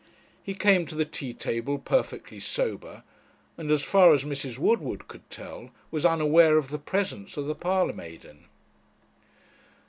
He came to the tea table perfectly sober, and, as far as Mrs. Woodward could tell, was unaware of the presence of the parlour maiden.